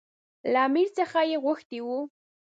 له امیر څخه یې غوښتي وو.